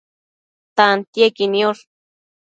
tantiequi niosh